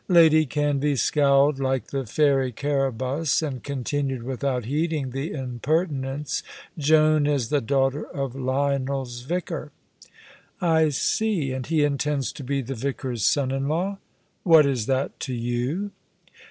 Lady Canvey scowled like the fairy Caraboss, and continued, without heeding the impertinence, "Joan is the daughter of Lionel's vicar." "I see, and he intends to be the vicar's son in law." "What is that to you?"